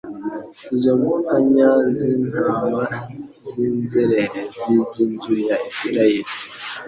izo mpanya z'intama z'inzererezi z'inzu ya Isiraeli.